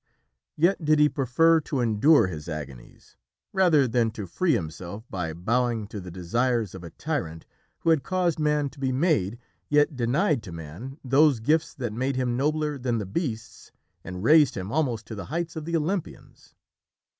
Yet did he prefer to endure his agonies rather than to free himself by bowing to the desires of a tyrant who had caused Man to be made, yet denied to Man those gifts that made him nobler than the beasts and raised him almost to the heights of the Olympians.